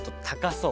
そう。